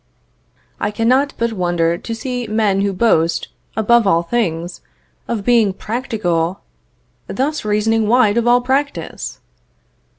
I cannot but wonder to see men who boast, above all things, of being practical, thus reasoning wide of all practice!